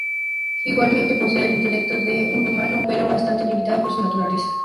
Igualmente, posee el intelecto de un humano, pero bastante limitado por su naturaleza.